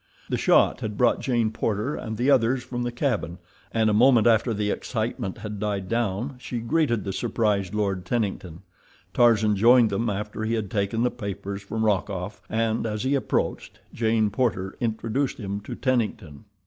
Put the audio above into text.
The shot had brought Jane Porter and the others from the cabin, and a moment after the excitement had died down she greeted the surprised Lord Tennington. Tarzan joined them after he had taken the papers from Rokoff, and, as he approached, Jane Porter introduced him to Tennington.